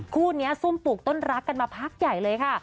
คู่นี้ซุ่มปลูกต้นรักกันมาพักใหญ่เลยค่ะ